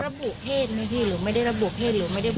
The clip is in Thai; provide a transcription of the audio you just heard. เพศไหมพี่หรือไม่ได้ระบุเพศหรือไม่ได้